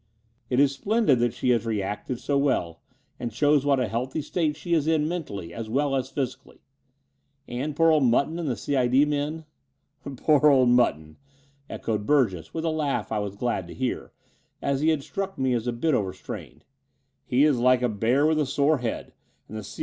It is splendid that she has reacted so well, and shows what a healthy state she is in mentally as well as physically. And poor old Mutton and the C.I.D. men?" "Poor old Mutton," echoed Burgess, with a laugh I was glad to hear, as he had struck me as a bit overstrained, "he is like a bear with a sore head; and the C.I.